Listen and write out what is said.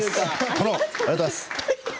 殿、ありがとうございます。